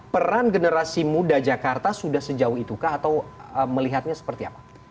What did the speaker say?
peran generasi muda jakarta sudah sejauh itukah atau melihatnya seperti apa